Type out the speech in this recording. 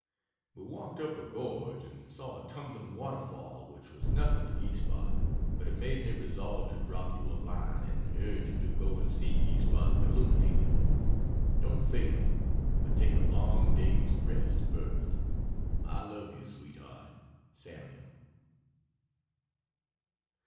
We walked up a gorge and saw a tumbling waterfall which was nothing to Giessbach, but it made me resolve to drop you a line and urge you to go and see Giessbach illuminated. Don't fail but take a long day's rest, first. I love you, sweetheart. SAML.